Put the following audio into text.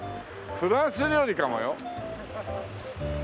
フランス料理かもよ。